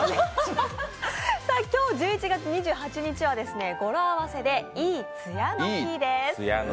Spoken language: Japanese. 今日１１月２８日は語呂合わせで、いいツヤの日です。